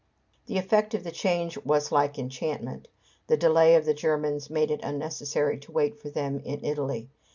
The effect of the change was like enchantment. The delay of the Germans made it unnecessary to wait for them in Italy.